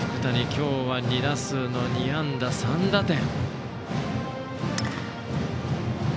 今日は２打数の２安打３打点。